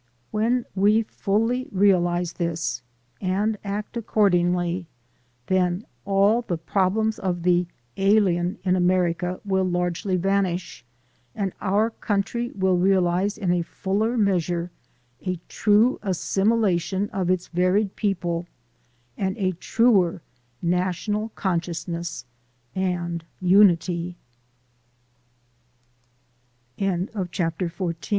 When we fully realize 224 THE SOUL OF AN IMMIGRANT this and act accordingly, then all the problems of the "alien" in America will largely vanish and our country will realize in a fuller measure a true as similation of its varied people and a truer national consciousness and